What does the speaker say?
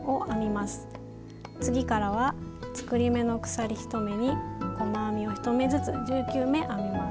次からは作り目の鎖１目に細編みを１目ずつ１９目編みます。